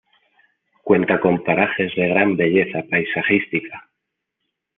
Cuenta con parajes de gran belleza paisajística.